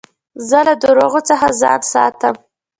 زه له درواغو څخه ځان ساتم.